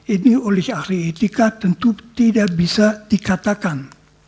ini oleh ahli etika tentu tidak bisa dikatakan